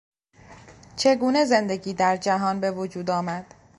چگونه زندگی در جهان به وجود آمد؟